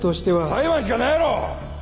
裁判しかないやろ！